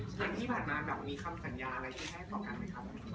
อย่างที่ผ่านมามีคำสัญญาอะไรที่จะให้ต่อกันมั๊ยครับ